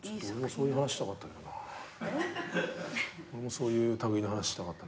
そういう類いの話したかった。